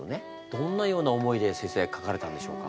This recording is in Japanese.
どんなような思いで先生書かれたんでしょうか？